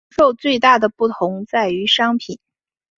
与零售最大的不同在于商品。